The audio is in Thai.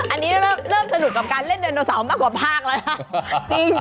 อันนี้เริ่มสนุกกับการเล่นไดโนเสาร์มากกว่าภาคแล้วนะ